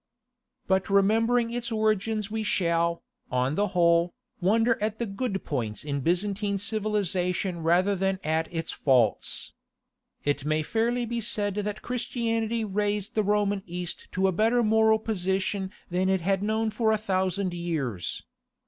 But remembering its origins we shall, on the whole, wonder at the good points in Byzantine civilization rather than at its faults. It may fairly be said that Christianity raised the Roman East to a better moral position than it had known for a thousand years.